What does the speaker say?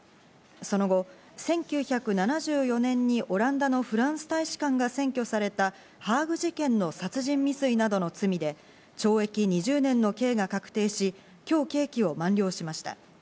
その後、１９７４年にオランダのフランス大使館が占拠されたハーグ事件の殺人未遂などの罪で懲役２０年の刑が確定し、今日、刑期を満了しました。